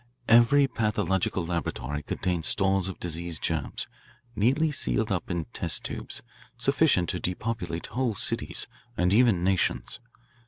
Every pathological laboratory contains stores of disease germs, neatly sealed up in test tubes, sufficient to depopulate whole cities and even nations.